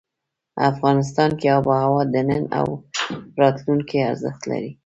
افغانستان کې آب وهوا د نن او راتلونکي ارزښت لري.